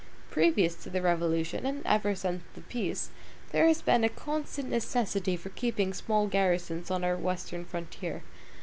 Previous to the Revolution, and ever since the peace, there has been a constant necessity for keeping small garrisons on our Western frontier.